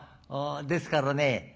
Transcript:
ですからね